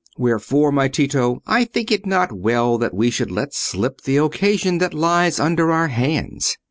Wherefore, my Tito, I think it not well that we should let slip the occasion that lies under our hands.